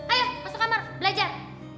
ayo masuk kamar belajar